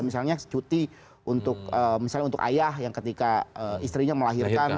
misalnya cuti untuk misalnya untuk ayah yang ketika istrinya melahirkan